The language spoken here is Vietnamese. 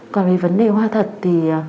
còn về vấn đề hoa thật thì